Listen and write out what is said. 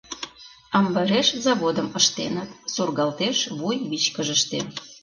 «Амбареш заводым ыштеныт, — сургалтеш вуйвичкыжыште.